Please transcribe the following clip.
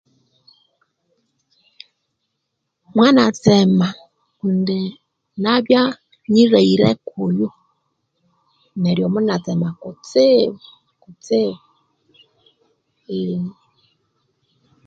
Mwanatsema kundi nabya nyilhaghire kuyo neryo mungatsima kutsibu kutsibu